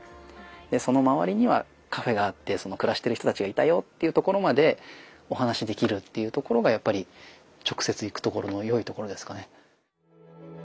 でその周りにはカフェがあって暮らしてる人たちがいたよというところまでお話しできるっていうところがやっぱり直接行くところのよいところですかね。